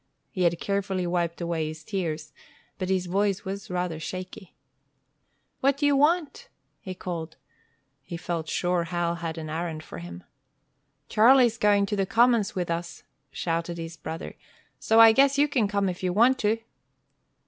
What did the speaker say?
He had carefully wiped away his tears, but his voice was rather shaky. "What d'ye want?" he called. He felt sure Hal had an errand for him. "Charlie's going to the commons with us," shouted his brother, "so I guess you can come, if you want to."